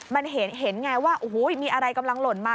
มันเห็นไงว่าโอ้โหมีอะไรกำลังหล่นมา